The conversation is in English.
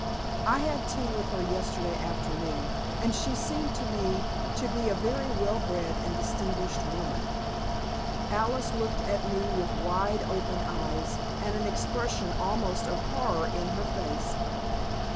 I had tea with her yesterday afternoon, and she seemed to me to be a very well bred and distinguished woman." Alice looked at me with wide open eyes, and an expression almost of horror in her face.